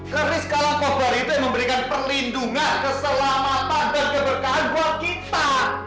keris karangkobar itu yang memberikan perlindungan keselamatan dan keberkahan buat kita